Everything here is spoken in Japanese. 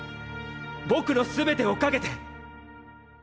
僕の全てをかけて！